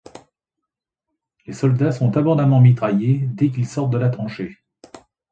Les soldats sont abondamment mitraillés dès qu'ils sortent de la tranchée.